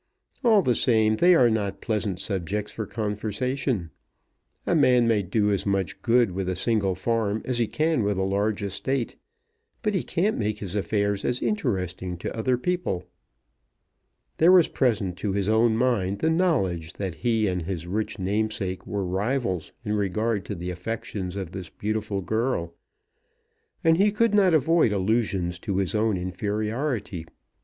"All the same, they are not pleasant subjects of conversation. A man may do as much good with a single farm as he can with a large estate; but he can't make his affairs as interesting to other people." There was present to his own mind the knowledge that he and his rich namesake were rivals in regard to the affections of this beautiful girl, and he could not avoid allusions to his own inferiority.